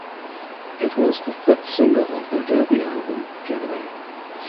It was the fifth single off their debut album "Getaway".